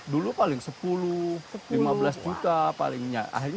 dulu paling sepuluh lima belas juta palingnya